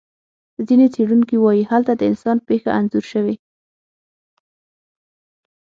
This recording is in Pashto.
ځینې څېړونکي وایي هلته د انسان پېښه انځور شوې.